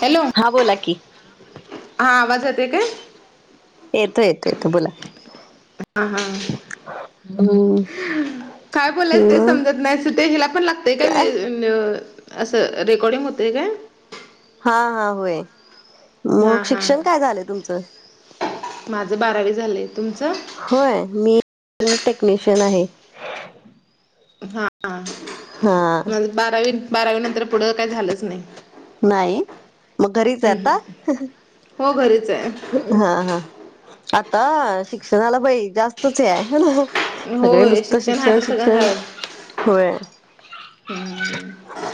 Hello हा बोला की. हा आवाज येतोय काय? येतो येतो येतोय बोला, हा हा हम्म. काय बोलायचं ते मग समजत नाही. सुटे हिला पण लागतय का हा अ अ असं रेकॉर्डिंग होतं काय. हां हां होय, हा मग हा शिक्षण, काय झालंय तुमचं. माझं बारावी झालंय तुमचं. होय, मी फिल्म टेक्निशियन आहे. हा. हा. माझं बारावी बारावी नंतर, पुढं काय झालंच नाही. नाही, मग घरीच आहे हम्म, हम्म. आत्ता? हो घरीच आहे हा हा.. आता शिक्षणाला बाई जास्तच हे हाय. सगळे होय नुसतं हा शिक्षण तर सगळं शिक्षण. हाय होय,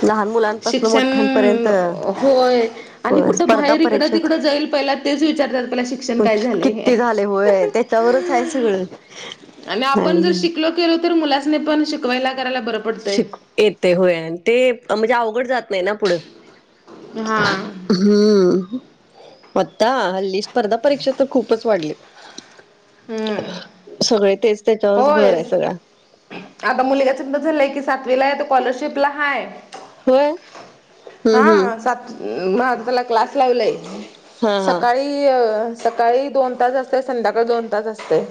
लहान मुलांपासन मोठ्यांपर्यंत. शिक्षण होय आणि होय कुठं स्पर्धा बाहेर इकडं परीक्षेत तिकडं जाईल, पहिला तेच विचारतात शिक किती झाले होय, तेच्या वरचं आहे सगळं. आणि आपण जर शिकलो केलो तर, मुलांसनी पण शिकवायला करायला बरं. पडतंय शिक येते होय ते म्हणजे, अवघड जात नाही ना पुढं. हा हम्म.. आता हल्ली स्पर्धा परीक्षा, तर खूपचं वाढली. सगळे तेच, त्याच्यावरच भर होयस आहे सगळा आता मुलग्याच [unintelligible] सातवीला हाय स्कॉलरशिपला हाय. होय. हम्म हम्म. हां.. सात अं... मग त्याला क्लास लावलय हा हा सकाळी. की अ सकाळी दोन तास असते, संध्याकाळी दोन तास असते.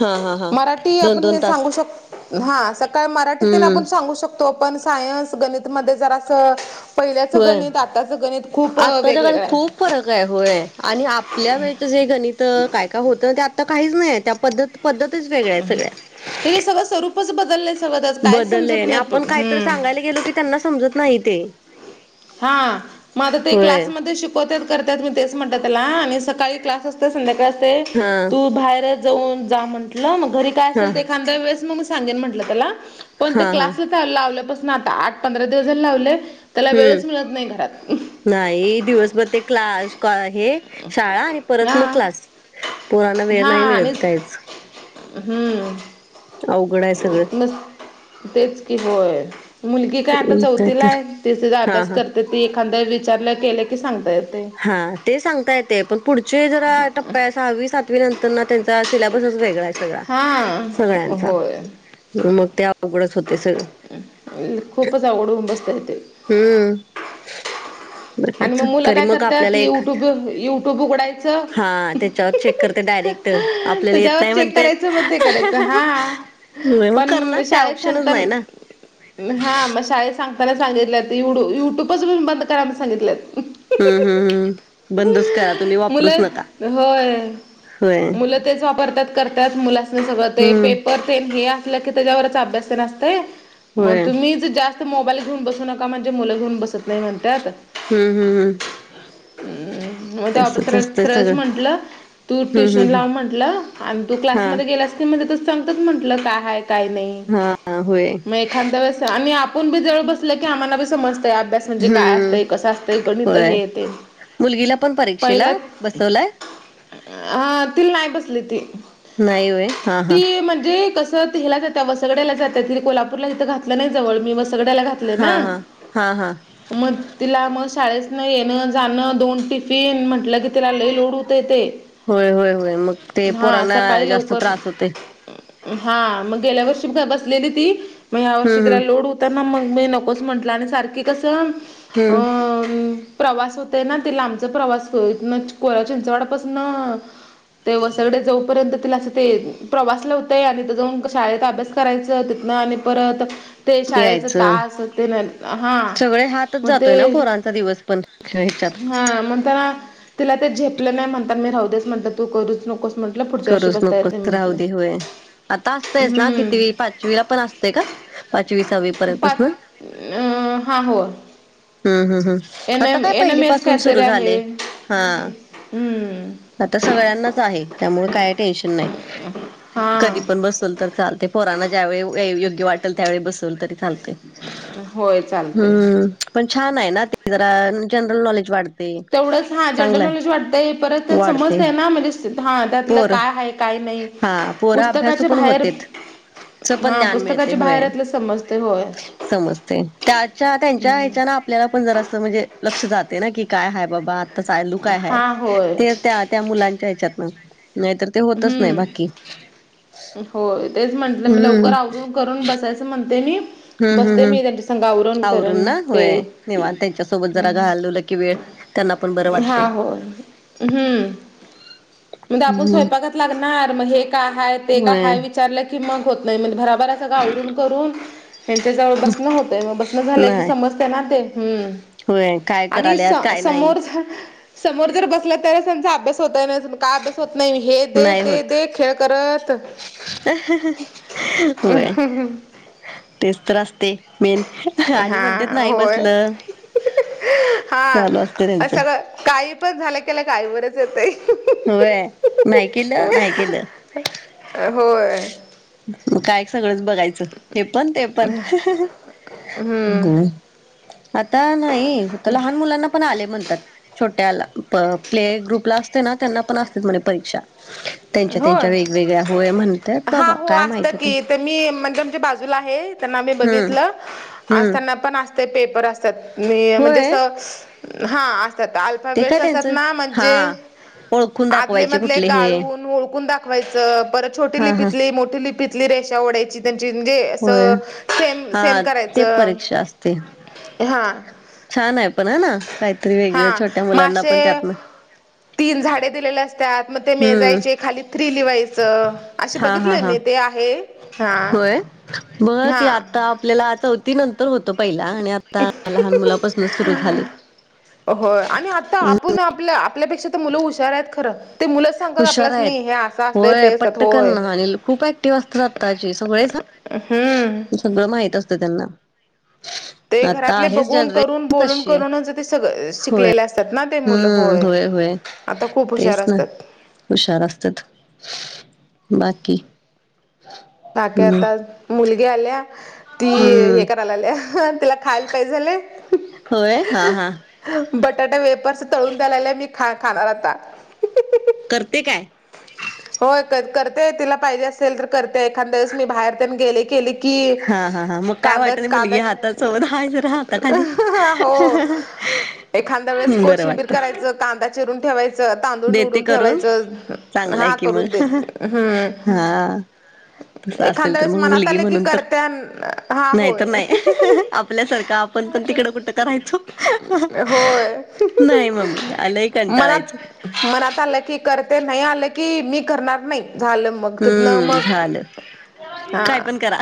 हा हा हा मराठी दोन आपण दोन हे तास सांगू शक हा, सकाळ मराठीत हम्म आपण सांगू शकतो. तो पण सायन्स गणितमध्ये जरासं. पहिल्याचं होय. गणित आत्ताचं गणित, खूप आत्ताच्या काळात वेगवेगळं आहे. खूप फरक आहे होय आणि आपल्या वेळचं जे, गणित काय काय होतं ते आता काहीच नाहीये त्या पद्धत. पद्धतीचं वेगळ्या आहे सगळ्या. स स्वरूप. आताचं बद्दलेस. बदललंय आणि आपण काहीतरी सांगायला गेलो, की त्यांना समजत नाही ते. हां.. मग आता ते होय क्लासमध्ये शिक नको तेच करत्यात मी तेच म्हणलं त्याला, आणि सकाळी क्लास असते संध्याकाळी असते. ह.. तू बाहेर जाऊन जा म्हटलं मग घरी काय हा असेल, ये खांद्य वेळेस मग मी सांगेन म्हंटलं त्याला. पण ते हा हा. क्लासच लावल्यापासून आता आठ पंधरा दिवस झाले लावले, त्याला वेळच हम्म मिळत नाही घरात. नाही दिवसभर ते क्लास. हे शाळा आणि परत हा मग क्लास, पोरांना वेळ हा नाही आणि मिळतं काहीचं. हम्म.. अवघड आहे सगळं. मस् तेच कि होय मुलगी काय आता, मग काय चौथीला तर आहे ति तिचा हा अभ्यास हा करत. तिथं एखाद्या विचारला केले की, सांगता येते. हा ते सांगता येते पण पुढचे, जरा टप्प्या सहावी सातवी नंत त्यांना तेचा सिलेबसच वेगळा आहे, सगळा हा सगळ्यांचा. होय मग ते अवघडंच होते सगळं. खूपचं अवघड हून बसतय ते. हम्म.. आणि बगायच मग मुलं तरी काय मग करतात आपल्याला एख युट्यूब युट्यूब उघडायचं हा, त्यांच्यावर चेक करते डायरेक्ट. आपल्याला येत त्याच्यावर नाही चेक म्हणतेत करायचं मग ते करायचं हा मग, करणार पण काय शाळेत ऑप्शनच नाही ना. [inaudible] हा मगं शाळेत सांगताना सांगितलेत, यु युट्यूबच बंद करा म्हणून सांगितलेत. हम्म हम्म हम्म बंदच करा तुम्ही वापरूच मुलं नका. होय होय मुलं तेच वापरत्यात करत्यात मुलास्नी सगळं ते हम्म पेपर तेन हे [unintelligible] त्याच्यावरच अभ्यास तेन असतंय मग होय तुम्हीच जास् ते मोबाईल घेऊन बसू नका म्हणजे मुलं घेऊन बसत नाही म्हणत्यात. हुं हुं हुं. हम्म.. मग ते असतंय अपसरत्रच सगळं म्हंटलं. तू हम्म ट्युशन हम्म लाव म्हटलं आणि, तू हम्म क्लासमध्ये हा गेलास. सांगत म्हंणल काय हाय काय नाही, हा हा होय मग एखादं वेळेस आणि आप आपण बी जवळ बसले की, आम्हाला बी समजतंय अभ्यास म्हणजे हम्म काय. कसं असतंय गणित होय हे ते मुलगीला पण परीक्षेला पहिल्यात. बसवलाय हा तिला नाही बसली ती. नाही होय हा हा ती म्हणजे कसं ला जात वसगड्याला जात कोलपूरला इिथ घातलं नाही जव मी वसगड्याला घातलंय हा ना. हा हा हा मग तिला म शाळेत न येणं जाणं दोन टिफिन म्हटलं ग त्याला लई लोड होतंय ते. होय होय होय मग ते हा पोरांना सकाळी जास्त लवकर त्रास होते अं हा मग गेल्यावर्षी ब-बसलेली ती मग ह्या वर्षी हम्म जरा हम्म लोड हु त्यांना मग मी नकोच म्हंटलं आणि सारखी कसं हम्म अं प्रवास होतय ना ते लांबचा प्रवास इथनं कोडा चिंचवडापासून ते व सगळे जोपर्यंत तिला असं ते प्रवास लई होतंय आणि तिथं जाऊन शाळेत अभ्यास करायचं तिथनं आणि परत ते शाळेचं तास ते मेन हा. वय हात मग ते, हा म्हणताना तिला ते झेपलं नाही म्हणताना मी राहूदेच म्हंटलं तू करूच नकोस. म्हटलं पुढच्या वर्षी करूच बसता येत नाही नकोस म्हटलं राहुदे होय. आता असतयचं ना हम्म कितवी पाचवीला पण असतंय का? पाचवी सहावी पर्यंतच ना? अम हा होय. हुं हुं हुं आता काय पहिली एस पाासून काहीतरी सुरू झालंय. आहे हा. हम्म आता सगळ्यांनाच आहे त्यामुळे काय टेन्शन नाही. हा कधी पण बसवलं तर चालतंय पोरांना ज्यावेळी व- ए- योग्य वाटंल त्यावेळी बसवलं तरी चालतंय. होय चालतय हम्म पण छान आहे ना ते जरा जनरल नॉलेज वाढ ते तेवढंच हा जनरल चांगलं नॉलेज वाटतंय परत आहे वाढतंय. समजतय ना म्हणजे हा त्यातलं पोरं काय आहे काय नाही हा पोरं अभ्यासू पुस्तकाच्या पण बाहेर होतेत. च पण हा ज्ञान मिळतंय पुस्तकाच्या होय बाहेरातलं समजते होय समजतंय त्याच्या त्यांच्या ह्याच्यानं आप आपल्याला पण जरासं म्हणजे लक्ष जातंय ना की काय हाय बाबा आता चायलू काय हाय. हा होय ते त्या त्या मुलांच्या ह्याच्यातनं नाहीतर ते होतंच नाही हम्म बाकी होय तेच म्हंटलं मी हुं. लवकर आवरून करून बसायचं म्हणते नी. हम्म बसते हम्म मी त्यांच्यासंग आवरून कारण ना ते होय निवांत त्यांच्यासोबत हुं जरा घालवलं की वेळ त्यांना पण बरं हा वाटते होय हम्म म्हणदे आपुस हम्म स्वयंपाकात लागणार मग हे काय हाय ते होय काय विचारलं की मग होत नाही म्हणे भरा [unintelligible] सगळं आवरून करून ह्यांच्या जवळ बसणं होतंय मग बसणं झालं की नाही समजतंय ना ते. हुं होय काय आणि कराल्यात काय नाही स-समोर समोर जर बसल्या तरच त्यांचा अभ्यास होताय ना अजून काय अभ्यास होत नाही नाही हे दे नाही ते होत दे खेळ करत होय. तेच तर असतंय मेन आणि हा म्हणत्यात नाही होय बसलं. हा चालू असते अ त्यांचं सगळं काही पण झालं केलं की आईवरच होय नाही केलं नाही केलं होय. काय सगळंच बघायचं. हे पण ते पण हम्म [unintelligible] आता नाही. लहान मुलांना पण आले म्हणतात, छोट्या प्ले ग्रुपला. त्याना, त्यांना पण असत्यात म्हणे परीक्षा. त्यांच्या होय.. त्यांच्या वेगवेगळ्या होय म्हणतात हा बाबा हो काय असतं माहित आता की तर, मी म्हणजे आमच्या बाजूला आहे. त्यांना मी हम्म बघितलं आज हम्म त्यांना पण ते पेपर असत्यात मी म्हणजे होय असं, हा असत्यात [unintelligible] ते काय सगळेच असतात त्यांचं ना मज्जे हा ओळखून दाखवायचे आदलेमधले कुठले हे गाळून ओळखून दाखवायचं परत छोटी हा हा लिपीतली मोठी लिपीतली रेषा ओढायची. त्यां चिंदे होय असं सेम सेम हा ते करायचं परीक्षा असते हा. छान आहे पण ह ना काहीतरी, वेगळं हा छोट्या मग मुलांना पण असे त्यात न. तीन झाडे दिलेले असत्यात मग, ते हम्म मेजायचे खाली थ्री लिवायचं. असे हा हा बघितलंय हा.. मी ते आहे हा होय बघा की हा आता, आपल्याला आता. ती नंतर होतं, पहिला आणि आ आता लहान मुलापासूनच सुरु झाले. हम्.. ला आपल्यापेक्षा तर मुलं हुशार आहेत खर ते मुलंच सांगतात हुशार आपल्याच आहेत नाही हे असं असतंय ते होय असतात पट्टकण होय अनिल खूप ऍक्टिव्ह असतात आत्ताचे सगळेच हा हम्म. सगळं माहीत असतं त्यांना. ते आता घरातले आहेच बघून करून जनरेशन बोलून तशी आहे करूनच, ते सग अ होय शिकलेले असतात ना. ते मुलं हम्म होय होय आता खूप हुशार तेच ना. असतात हुशार असत्यात बाकी. बाकी हम्म आता मुलगी आल्या. ती हम्म हे कराय लागल्या, तिला खायला पाहिजे झालंय. होय हा हा बटाटा वेफर्स तळून द्याय लागल्या, मी खा- खाणार आता. करते काय? होय करतेय तिला पाहिजे असेल तर करतेय एखादाळेस मी बाहेर तेन गेले केली की हा हा हा मग काय वाटत कांद्यात नाही मुलगी कांद्यात हातासोबत हाय जरा हाताखाली हो.. एखाद्या वेळेस बरं कोशिंबीर वाटत करायचं, कांदा चिरून ठेवायचं. तांदूळ देते निवडून करून ठेवायचं, चांगलाय हा की करून मग देत. हम्... हा [inaudible] तसं एखादं असेल तर वेळेस मग मनात मुलगी आले की म्हणून तर करत्या. हा.. नाही तर होय. नाही आपल्यासारखं आपण पण तिकडं कुठं करायचो, होय नाही मम्मी लय कंटाळायचो. मनात मनात आलं की करते नाही आलं की, मी करणार नाही झालं मग तितण हम्म मग. झालं. हा काय पण करा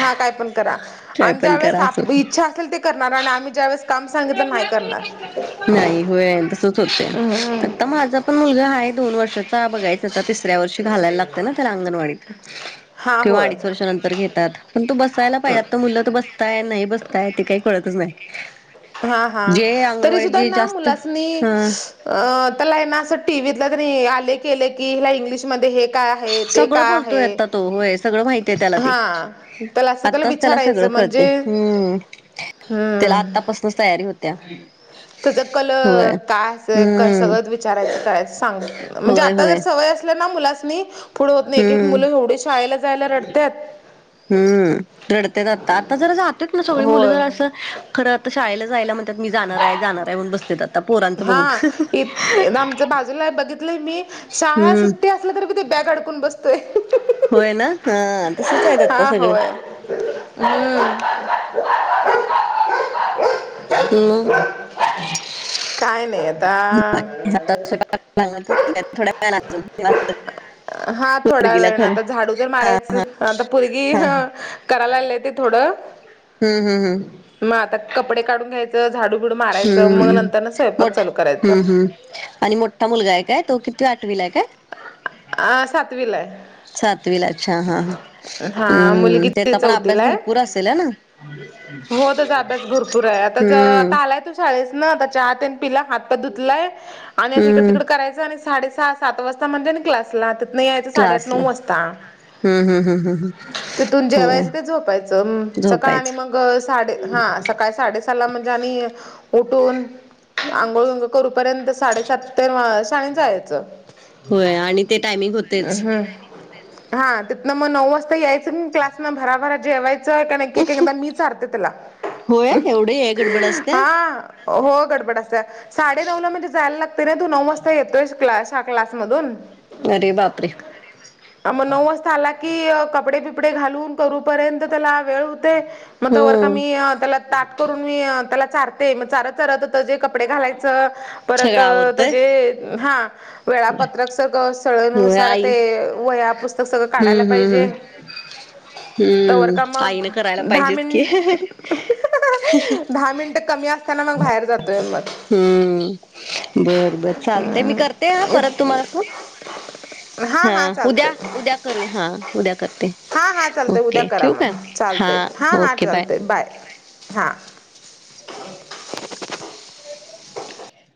हा काय पण करा, काय आणि ज्या पण करा असं वेळेस होत इच्छा असेल. करणार आणि आम्ही ज्या वेळेस काम सांगल तर नाही करणार. नाही होय तसंच होतंय, हम्म आता माझा पण मुलगा हाय दोन वर्षा. बघायच आता तिसऱ्या वर्षी घालायला लागत ना त्या अंगणवाडीत हा किंवा होय अडीच वर्षानंतर घेत तात पण तू बसायला पाहिजे. मुलं तर बसताय नाही बसताय ते काही कळतच नाही. हा हा जे तरी सुद्धा अंगणवाडीचे ना जास्त मुलासनी हा अ त्याला ना असं टीव्हीतल, आले केले की हिला इंग्लिशमध्ये हे काय. आहे ते सगळं काय बोलतोय आहे आता तो, होय सगळं माहितीय त्याला ते हा त्याला असं आताच. त्याला सगळं विचारायचं म्हणजे कळतंय. हम्म... हम्म. आता पासनच तयारी होत्या. तेच होय कलर कायं असं कसं, हम्म सगळं विचारायचं करायचं सांग. म्हणजे होय आता होय जर, सवय असलं ना मुलासनी. पुढे होत नाही, एक एक हम्म मुलं एवढे शाळेला जायला रडतात. हम्. रडत्यात आता आता जर जात्यात न सगळी, मुलं होय जरास खरं आता शाळेला जायला म्हण. त्यात मी जाणार जाणार म्हणून, बसत्यात आता पोरांचं बघून. हा इत आमच्या बाजूला बघितलंय मी शाळा हम्म सुट्टी असल तरी बी तो बॅग अडकून बसतोय. होय ना, हां. हा.. होय. हम्म.. मग काय बाकी नाही आता हातात [unintelligible] [unintelligible] हा थोडा वेळ ना आता झाडू तर मारायचं, आता पोरगी हा हं.. कराय लागल्या ती थोडं. हम्म हम् हम. मग आता कपडे काढून घ्यायचं. झाडू बिडू मारायचं मग, हम्म नंतर न स्वयंपाक मोठ चालू करायचं. हम्म हम्म आणि मोठा मुलगा आहे काय, तो कितवी आठवीला हाय काय? आ... सातवीला हाय. सातवीला अच्छा, हा हा हम्.. मुलगी ती त्याचा पण अभ्यास चौथीला आहे भरपूर असेल हेना. हो त्याचा हम्म.. शाळेसनं आता चहा तेन पिला, हातपाय धुतलाय आणि आता इकडं हम्म तिकडं करायचं आणि साडे सहा सात वाजता म्हणजे ना क्लासला, ततनं यायचं साडेआठ नऊ वाजता. हम् हम्म हम् हम हम... तिथून जेवायचं ते झोपायचं, सकाळ आणि झोपायचं मगं साडे हा, सकाळी साडे सहा. सा ला म्हणजे आम्ही, उठून आंघोळ बिघोळ. करूपर्यंत साडेसात ते [unintelligible] जायचं. होय आणि ते टाइमिंग होत अं हम्म. हा तिथनं मग नऊ वाजता यायचं, म क्लासनं भराभरा जेवाय [unintelligible] कारण एक एकदा मी चालते त्याला. होय एवढी आहे गडबड असत्या हा हो गडबड असत्या, साडेनऊला म्हणजे जायला लागतंय ना. तो नऊ वाजता येतोयच क्लास या क्लासमधून. अरे बापरे. अं मग नऊ वाजता आला की, कपडे बिपडे घालून करूपर्यंत त्याला वेळ होतंय, मग तवरका हम्म मी त्याला ताट करून मी त्यालाच चार ते मग चारत चारत त जे कपडे घालायचं. परत सगळं आवरतय त्याजे हां होय वेळापत्रक सग होय सगळनुसार आई ते वह्या पुस्तक सगळं काढायला हम्म हम्म पाहिजे. हम्म हम्म तवरका मग आईनं करायला दहा पाहिजेच मिन [unintelligible] की दहा मिनटं कमी अस [unintelligible] मग बाहेर जातं. हम्म. बर बर चालते, मी करते हा.. परत तुम्हाला फोन. [inaudible] हा हा.. उद्या चालतंय, उद्या करू हा उद्या करते हा हा.. चालतंय उद्या ओके करा ठेवू मग. का हा चालतंय हां हां... चालतंय बाय हां.. [inaudible] [inaudible]